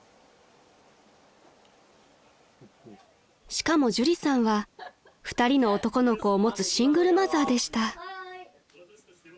［しかも朱里さんは２人の男の子を持つシングルマザーでした］